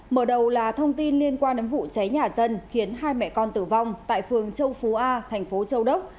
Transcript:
mở đầu là thông tin liên quan đến vụ cháy nhà dân khiến hai mẹ con tử vong tại phường châu phú a thành phố châu đốc